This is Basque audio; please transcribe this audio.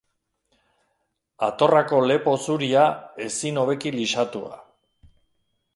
Atorrako lepo zuria, ezin hobeki lisatua.